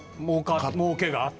もうけがあった。